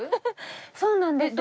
そうなんですよ。